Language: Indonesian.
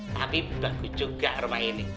tapi bagus juga rumah ini